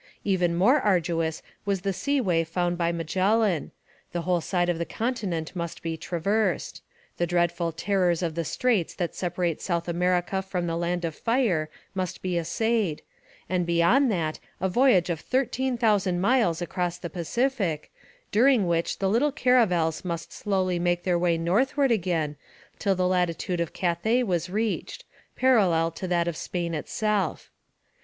Even more arduous was the sea way found by Magellan: the whole side of the continent must be traversed. The dreadful terrors of the straits that separate South America from the Land of Fire must be essayed: and beyond that a voyage of thirteen thousand miles across the Pacific, during which the little caravels must slowly make their way northward again till the latitude of Cathay was reached, parallel to that of Spain itself.